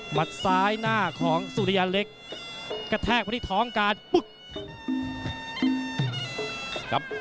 ซ้ายหน้าของสุริยาเล็กกระแทกไปที่ท้องการปึ๊ก